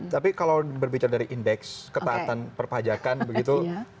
tapi kalau berbicara dari indeks ketaatan perpajakan begitu